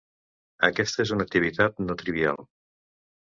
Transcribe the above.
Aquesta és una activitat no trivial.